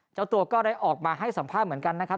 เจ้าตัวก็ได้ออกมาให้สัมภาษณ์เหมือนกันนะครับ